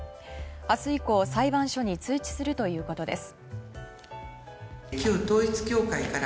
明日以降、裁判所に通知するということです。